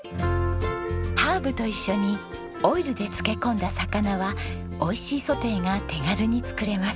ハーブと一緒にオイルで漬け込んだ魚は美味しいソテーが手軽に作れます。